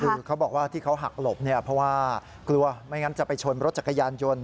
คือเขาบอกว่าที่เขาหักหลบเนี่ยเพราะว่ากลัวไม่งั้นจะไปชนรถจักรยานยนต์